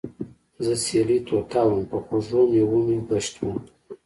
زۀ سېلي طوطا ووم پۀ خوږو مېوو مې ګشت وو